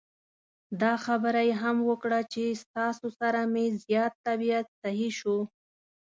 دا خبره یې هم وکړه چې ستاسو سره مې زیات طبعیت سهی شو.